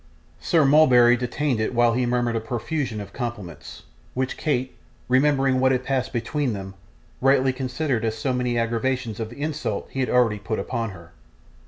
Sir Mulberry detained it while he murmured a profusion of compliments, which Kate, remembering what had passed between them, rightly considered as so many aggravations of the insult he had already put upon her.